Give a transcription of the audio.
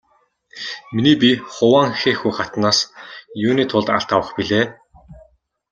Миний бие Хуванхэхү хатнаас юуны тулд алт авах билээ?